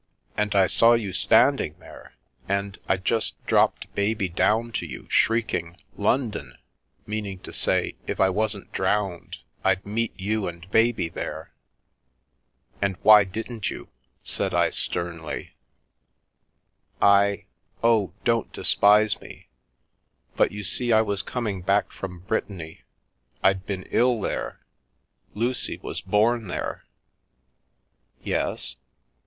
And I saw you standing there, and I just dropped baby down to you, shrieking ' London/ meaning to say, if I wasn't drowned, I'd meet you and baby there." And why didn't you ?* said I, sternly. I — oh, don't despfefe me. But, you see I was com ing back from Brittany— I'd been ill there. Lucy was born there." "Yes?"